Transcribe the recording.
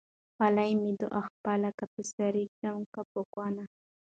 خولۍ مې ده خپله که په سر يې ايږدم که په کونه